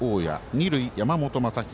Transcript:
二塁、山本昌弘。